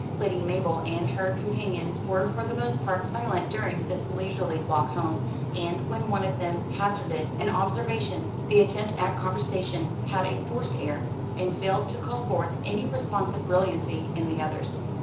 Lady Mabel and her companions were for the most part silent during this leisurely walk home, and, when one of them hazarded an observation, the attempt at conversation had a forced air, and failed to call forth any responsive brilliancy in the others.